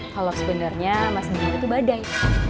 kalau sebenernya mas bimo tuh badai